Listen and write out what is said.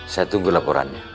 saya tunggu laporannya